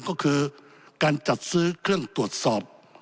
ก็คือการจัดซื้อเครื่องตรวจสอบ